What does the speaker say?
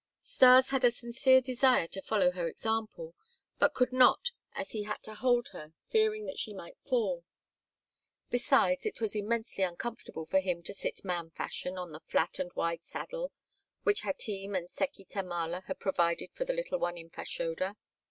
Stas had a sincere desire to follow her example, but could not as he had to hold her, fearing that she might fall; besides, it was immensely uncomfortable for him to sit man fashion on the flat and wide saddle which Hatim and Seki Tamala had provided for the little one in Fashoda.